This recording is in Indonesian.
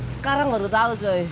sekarang baru tau cuy